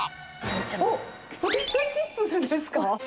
おっ、ポテトチップスですか。